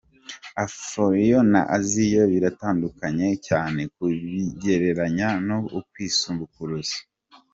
Afurioa na Aziya biratandukanye cyane, kubigereranya no ukwisumbukuruza.